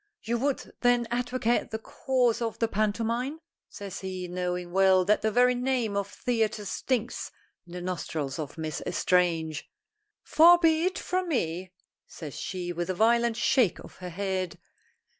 "You would, then, advocate the cause of the pantomime?" says he, knowing well that the very name of theatre stinks in the nostrils of Miss L'Estrange. "Far be it from me!" says she, with a violent shake of her head.